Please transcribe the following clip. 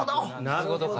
なるほど。